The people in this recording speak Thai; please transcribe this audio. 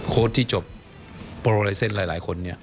โค้ชที่จบโปรไลเซ็นต์หลายคน